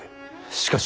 しかし。